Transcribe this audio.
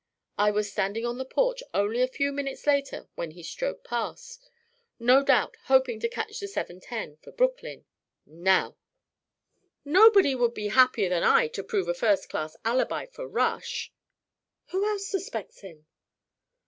I was standing on our porch only a few minutes later when he strode past no doubt hoping to catch the seven ten for Brooklyn. Now!" "Nobody would be happier than I to prove a first class alibi for Rush " "Who else suspects him?"